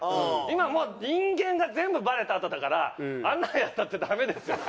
今もう人間が全部バレたあとだからあんなのやったってダメですよ。